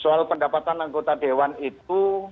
soal pendapatan anggota dewan itu